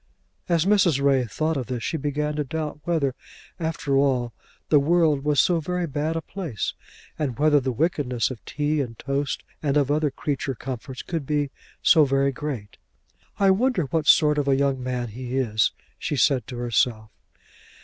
As Mrs. Ray thought of this she began to doubt whether, after all, the world was so very bad a place, and whether the wickedness of tea and toast, and of other creature comforts, could be so very great. "I wonder what sort of a young man he is," she said to herself.